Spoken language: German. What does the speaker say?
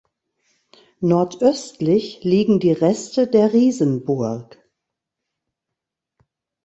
Nordöstlich liegen die Reste der Riesenburg.